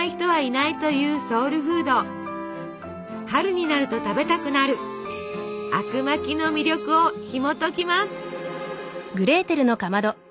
春になると食べたくなるあくまきの魅力をひもときます。